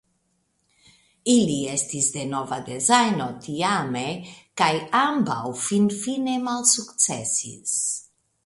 Ili estis de nova dezajno tiame kaj ambaŭ finfine malsukcesis.